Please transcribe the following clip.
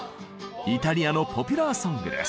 イタリアのポピュラーソングです。